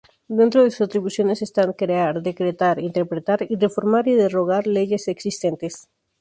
Dentro de sus atribuciones están: Crear, decretar, interpretar y reformar y derogar leyes existentes.